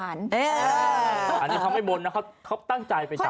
อันนี้เขาไม่บนนะเขาตั้งใจไปจับ